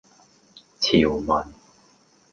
潮文